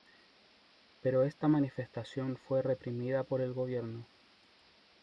Pero esta manifestación fue reprimida por el Gobierno.